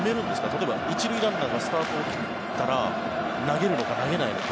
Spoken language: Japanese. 例えば１塁ランナーがスタートを切ったら投げるのか投げないのか。